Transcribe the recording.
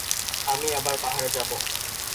আমি আবার পাহাড়ে যাব।